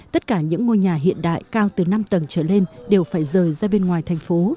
tất cả những ngôi nhà hiện đại cao từ năm tầng trở lên đều phải rời ra bên ngoài thành phố